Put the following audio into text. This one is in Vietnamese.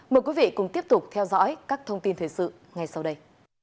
mời quý vị cùng tiếp tục theo dõi các thông tin thời sự ngay sau đây